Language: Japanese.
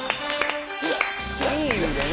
いい意味でね。